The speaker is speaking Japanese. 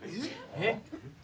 えっ？